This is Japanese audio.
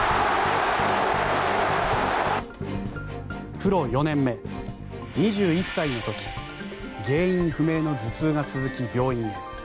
プロ４年目、２１歳の時原因不明の頭痛が続き病院へ。